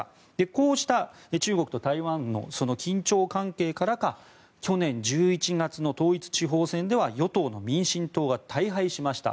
こうした中国と台湾の緊張関係からか去年１１月の統一地方選では与党の民進党が大敗しました。